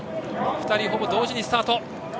２人がほぼ同時にスタート。